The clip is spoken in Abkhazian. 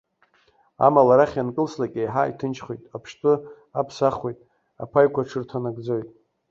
Амала, арахь ианкылслак еиҳа иҭынчхоит, аԥштәы аԥсахуеит, аԥаҩқәа аҽырҭанагӡоит.